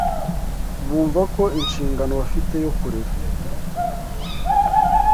bumva ko inshingano bafite yo kurera